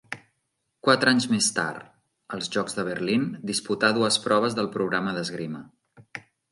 Quatre anys més tard, als Jocs de Berlín, disputà dues proves del programa d'esgrima.